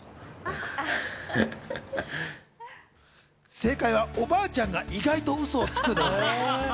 正解は、おばあちゃんが意外とウソをつく。